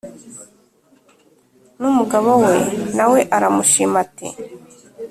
n’umugabo we na we aramushima ati